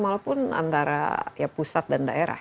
antara ya pusat dan daerah